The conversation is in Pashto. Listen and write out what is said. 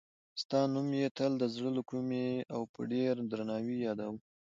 ستا نوم یې تل د زړه له کومې او په ډېر درناوي یادوه.